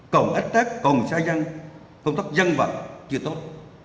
còn ách tác còn xa dân công tác dân vật chưa tốt